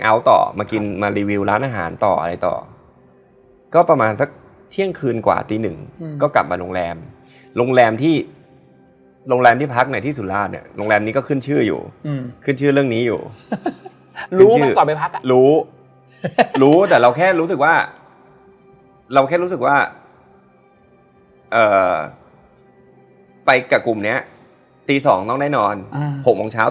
วันต่อมากลับมากรุงเทพฯเราจะมีเพื่อนคนหนึ่ง